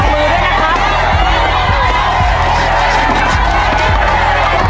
ระวังมือด้วยนะครับ